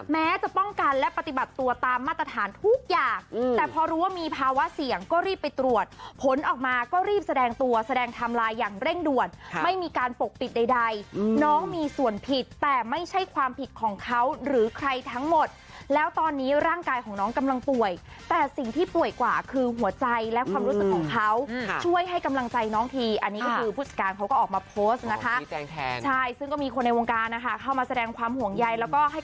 แม้จะป้องกันและปฏิบัติตัวตามมาตรฐานทุกอย่างแต่พอรู้ว่ามีภาวะเสี่ยงก็รีบไปตรวจผลออกมาก็รีบแสดงตัวแสดงทำลายอย่างเร่งด่วนไม่มีการปกปิดใดน้องมีส่วนผิดแต่ไม่ใช่ความผิดของเขาหรือใครทั้งหมดแล้วตอนนี้ร่างกายของน้องกำลังป่วยแต่สิ่งที่ป่วยกว่าคือหัวใจและความรู้สึกของเขาช่วยให้ก